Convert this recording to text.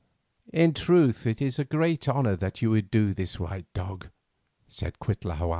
"In truth it is a great honour that you would do this white dog," said Cuitlahua.